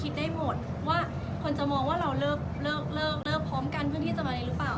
คิดได้หมดว่าคนจะมองว่าเราเลิกพร้อมกันเพื่อที่จะมาเลยหรือเปล่า